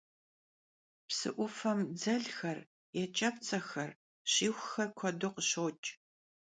Psı 'ufem dzelxer, yêç'epts'exer, şixuxer kuedu khışoç'.